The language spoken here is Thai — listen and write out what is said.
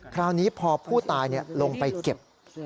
คราวนี้พอผู้ตายลงไปเก็บ